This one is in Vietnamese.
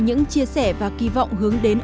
những chia sẻ và kỳ vọng hướng đến